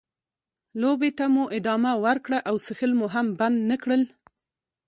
لوبې ته مو ادامه ورکړه او څښل مو هم بند نه کړل.